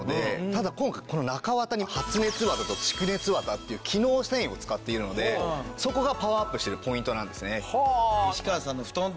ただ今回この中綿に発熱綿と蓄熱綿っていう機能繊維を使っているのでそこがパワーアップしているポイントなんですね。